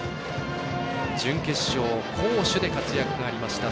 準決勝、攻守で活躍がありました。